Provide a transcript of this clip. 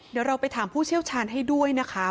เดี๋ยวเราไปถามผู้เชี่ยวชาญให้ด้วยนะคะ